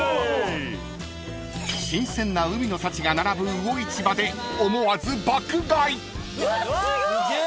［新鮮な海の幸が並ぶ魚市場で思わず爆買い］